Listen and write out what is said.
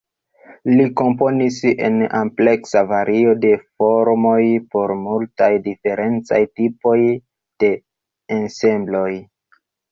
Li komponis en ampleksa vario de formoj por multaj diferencaj tipoj de ensembloj.